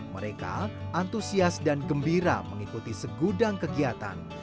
mereka antusias dan gembira mengikuti segudang kegiatan